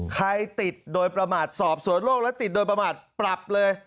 ใครติดโดยประมาทสอบสวนโลกและติดโดยประมาทปรับเลย